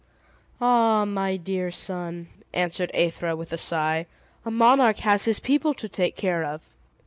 "Ah, my dear son," answered Aethra, with a sigh, "a monarch has his people to take care of.